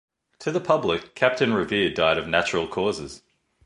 To the public, Captain Revere died of natural causes.